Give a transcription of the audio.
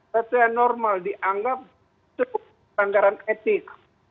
sesuai normal dianggap cukup peranggaran etik